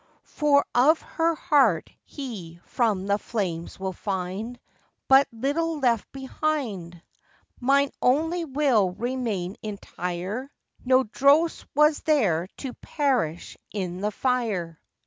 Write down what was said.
For of her heart he from the flames will find But little left behind: Mine only will remain entire, No dross was there to perish in the fire.